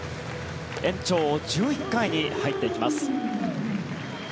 延長１１回に入っていきます。